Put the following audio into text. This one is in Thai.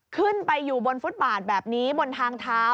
ขึ้นไปอยู่บนฟุตบาทแบบนี้บนทางเท้า